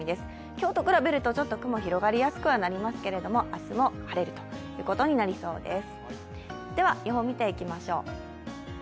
今日と比べるとちょっと雲は広がりやすくなりますけれども明日も晴れることになりそうです。